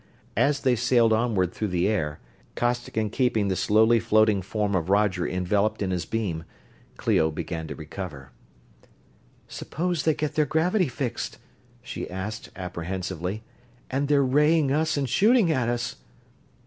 As they sailed onward through the air, Costigan keeping the slowly floating form of Roger enveloped in his beam, Clio began to recover. "Suppose they get their gravity fixed?" she asked, apprehensively. "And they're raying us and shooting at us!"